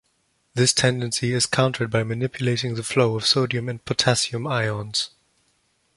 This tendency is countered by manipulating the flow of sodium and potassium ions.